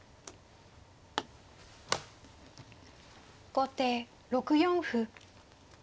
後手６四歩。